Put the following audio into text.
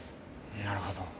なるほど。